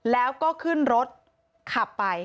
แล้วก็ขึ้นรถขับไป